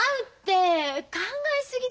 考え過ぎだよ。